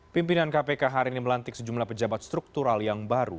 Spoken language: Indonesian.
pimpinan kpk hari ini melantik sejumlah pejabat struktural yang baru